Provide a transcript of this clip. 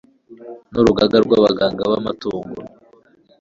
n urugaga rw abaganga b amatungo